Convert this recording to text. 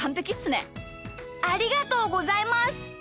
ありがとうございます。